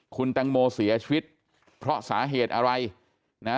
คุณแตงโมเสียชีวิตเพราะสาเหตุอะไรนะ